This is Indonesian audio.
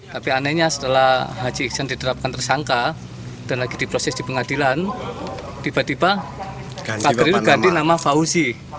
tapi anehnya setelah haji iksan diterapkan tersangka dan lagi diproses di pengadilan tiba tiba pak geril ganti nama fauzi